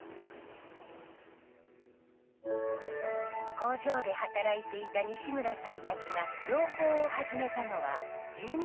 工場で働いていた西村さんたちが養蜂を始めたのは１２年前のことです。